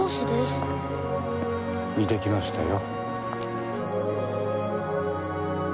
似てきましたよ。